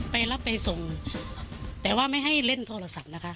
ไปรับไปส่งแต่ว่าไม่ให้เล่นโทรศัพท์นะคะ